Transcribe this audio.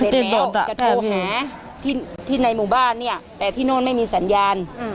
จะโทรหาที่ในหมู่บ้านเนี่ยแต่ที่โน่นไม่มีสัญญาณ